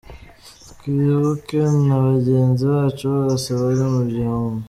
Twibuke na bagenzi bacu bose bari mu gihome.